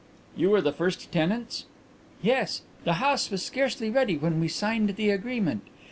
"You were the first tenants?" "Yes. The house was scarcely ready when we signed the agreement.